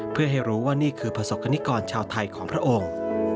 เพื่อให้รู้ว่านี่คือประสบกรณิกรชาวไทยของพระองค์